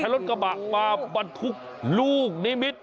รถกระบะมาบรรทุกลูกนิมิตร